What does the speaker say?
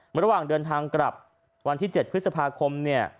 ระหว่างเดินทางกลับวันที่๗พฤษภาคมเนี่ย